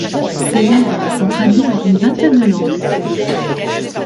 Ses livres sont traduits dans une vingtaine de langues.